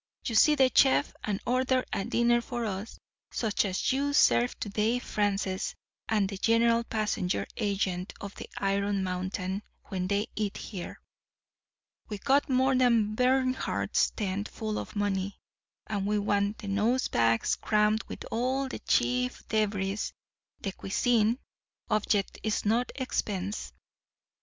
You see the chef and order a dinner for us such as you serve to Dave Francis and the general passenger agent of the Iron Mountain when they eat here. We've got more than Bernhardt's tent full of money; and we want the nose bags crammed with all the Chief Deveries de cuisine. Object is no expense.